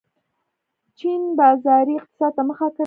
چین بازاري اقتصاد ته مخه کړه.